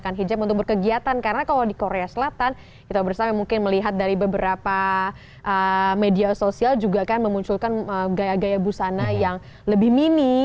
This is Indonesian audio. karena kalau di korea selatan kita bersama mungkin melihat dari beberapa media sosial juga kan memunculkan gaya gaya busana yang lebih mini